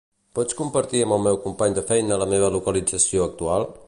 Pots compartir amb el meu company de feina la meva localització actual?